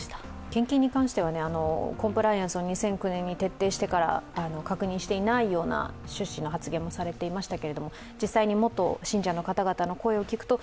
献金に関しては、コンプライアンスを２００９年に徹底してから確認していないような趣旨の発言もされていましたけれども、実際に元信者の方々の声を聞くと